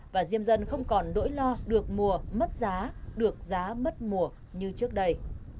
và diêm dân không còn nỗi lo được mùa mất giá được giá mất mùa như trước đây